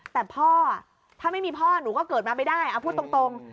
แต่พ่อถ้าไม่มีพ่อหนูก็เกิดมาไม่ได้เอาพูดตรง